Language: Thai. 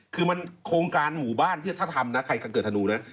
คือมันโครงการหมู่บ้านถ้าทำนะใครเกิดธนูนะ